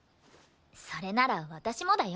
それなら私もだよ。